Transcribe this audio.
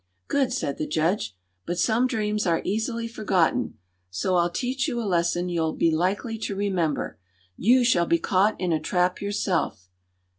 "Good!" said the judge. "But some dreams are easily forgotten, so I'll teach you a lesson you'll be likely to remember. You shall be caught in a trap yourself."